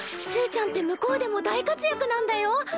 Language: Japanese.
すーちゃんって向こうでも大活躍なんだよ！